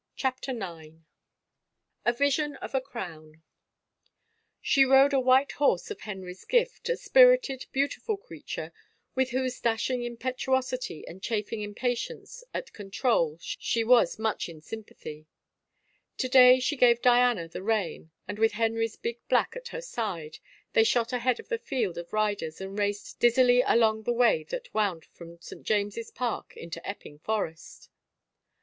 CHAPTER IX A VISION OF A CROWN [E rode a white horse of Henry's gift, a spirited, beautiful creature, with whose dashing impetu osity and chafing impatience at control she was much in s)rmpathy. To day she gave Diana the rein and with Henry's big black at her side they shot ahead of the field of riders and raced dizzily along the way that wound from St. James' Park into Epping forest.